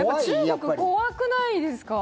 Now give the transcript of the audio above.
やっぱ中国、怖くないですか？